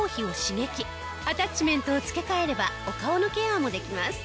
アタッチメントを付け替えればお顔のケアもできます。